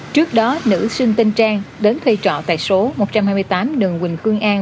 trước đó nữ sinh tên trang đến thuê trọ tại số một trăm hai mươi tám đường quỳnh khương an